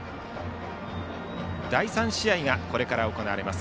第３試合が、これから行われます。